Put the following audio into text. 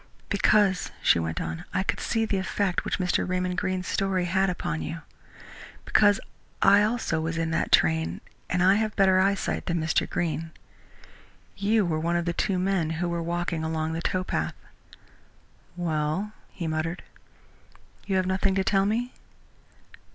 "Because," she went on, "I could see the effect which Mr. Raymond Greene's story had upon you; because I, also, was in that train, and I have better eyesight than Mr. Greene. You were one of the two men who were walking along the towpath." "Well?" he muttered. "You have nothing to tell me?"